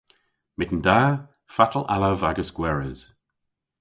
"Myttin da, fatel allav agas gweres?"